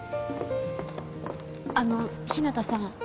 あの日向さん